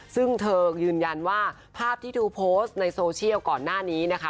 ซึ่งเธอยืนยันว่าภาพที่เธอโพสต์ในโซเชียลก่อนหน้านี้นะคะ